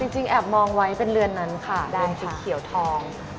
แอบมองไว้เป็นเรือนนั้นค่ะแดงสีเขียวทอง